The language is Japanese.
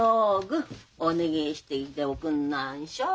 ぐお願えしてきておくんなんしょ。